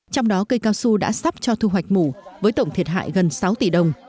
trong đó cây cao su đã sắp cho thu hoạch mủ với tổng thiệt hại gần sáu tỷ đồng